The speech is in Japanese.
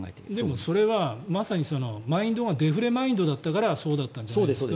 でもそれはまさにマインドがデフレマインドだったからそうだったんじゃないですか。